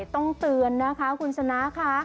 ต้องเตือนนะคะคุณชนะค่ะ